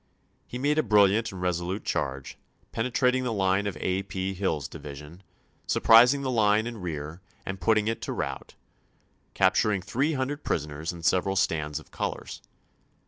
He made a brilliant and resolute charge, penetrating the line of A. P. Hill's division, surprising the line in rear and putting it to rout, capturing three hundred prisoners and several stands of colors.